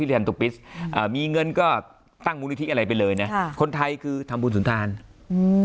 อ่ามีเงินก็ตั้งมุนิธิอะไรไปเลยเนี่ยค่ะคนไทยคือทำบุญสุนทานอืม